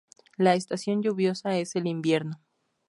La estación lluviosa es el invierno.